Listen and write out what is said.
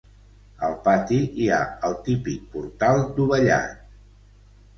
Al pati hi ha el típic portal dovellat.